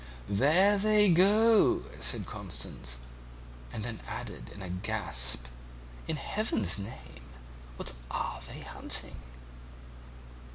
"'There they go,' cried Constance, and then added in a gasp, 'In Heaven's name, what are they hunting?'